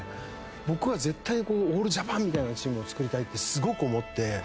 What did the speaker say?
僕は絶対にオールジャパンみたいなチームを作りたいってすごく思って。